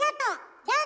じゃあね！